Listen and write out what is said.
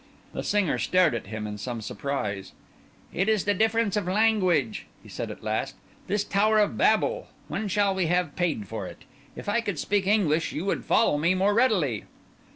The singer stared at him in some surprise. "It is the difference of language," he said at last. "This Tower of Babel, when shall we have paid for it? If I could speak English you would follow me more readily."